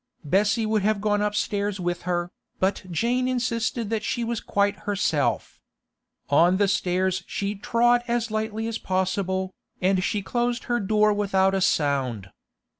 Bessie would have gone upstairs with her, but Jane insisted that she was quite herself. On the stairs she trod as lightly as possible, and she closed her door without a sound.